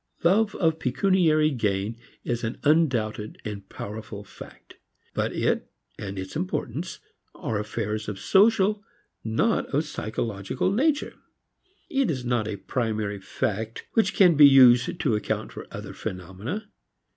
Love of pecuniary gain is an undoubted and powerful fact. But it and its importance are affairs of social not of psychological nature. It is not a primary fact which can be used to account for other phenomena.